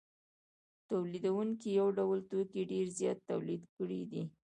تولیدونکو یو ډول توکي ډېر زیات تولید کړي دي